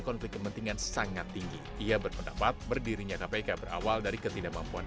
konflik kepentingan sangat tinggi ia berpendapat berdirinya kpk berawal dari ketidakmampuan